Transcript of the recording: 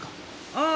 ああ。